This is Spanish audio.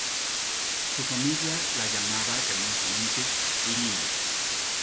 Su familia la llamaba cariñosamente "Lina".